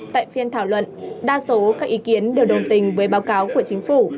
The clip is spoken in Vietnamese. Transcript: tại phiên thảo luận đa số các ý kiến đều đồng tình với báo cáo của chính phủ